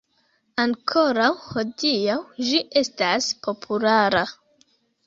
Ankoraŭ hodiaŭ ĝi estas populara.